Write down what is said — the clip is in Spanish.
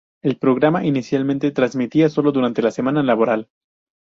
El programa inicialmente transmitía sólo durante la semana laboral.